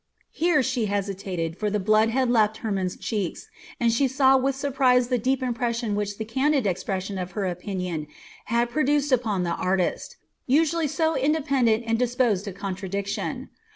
Here she hesitated, for the blood had left Hermon's cheeks, and she saw with surprise the deep impression which the candid expression of her opinion had produced upon the artist, usually so independent and disposed to contradiction.